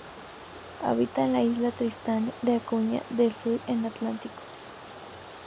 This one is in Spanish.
Habitaba en la isla de Tristán de Acuña en el Atlántico Sur.